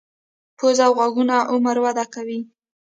پوزه او غوږونه عمر وده کوي.